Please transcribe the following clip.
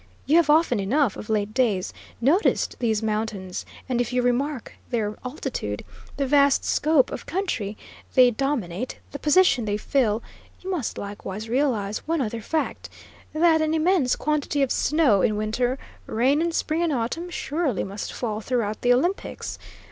"You have often enough, of late days, noticed these mountains, and if you remark their altitude, the vast scope of country they dominate, the position they fill, you must likewise realise one other fact: that an immense quantity of snow in winter, rain in spring and autumn, surely must fall throughout the Olympics.